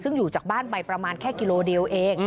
ซึ่งอยู่จากบ้านไปประมาณแค่กิโลเดียวเอง